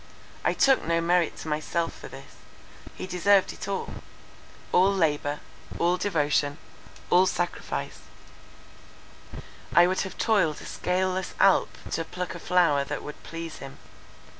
I took no merit to myself for this. He deserved it all—all labour, all devotion, all sacrifice; I would have toiled up a scaleless Alp, to pluck a flower that would please him.